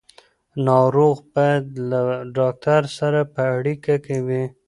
ناروغ باید له ډاکټر سره په اړیکه وي.